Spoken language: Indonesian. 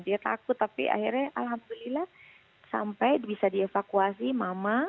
dia takut tapi akhirnya alhamdulillah sampai bisa dievakuasi mama